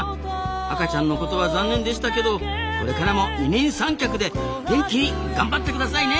赤ちゃんのことは残念でしたけどこれからも二人三脚で元気に頑張ってくださいね！